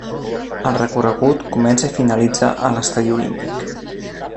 El recorregut comença i finalitza a l'Estadi Olímpic.